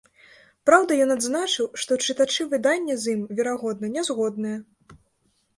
Праўда, ён адзначыў, што чытачы выдання з ім, верагодна, не згодныя.